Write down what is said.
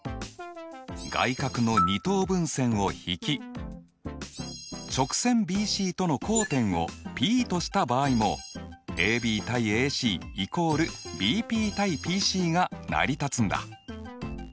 外角の二等分線を引き直線ＢＣとの交点をＰとした場合もＡＢ：ＡＣ＝ＢＰ：ＰＣが成り立つんだ。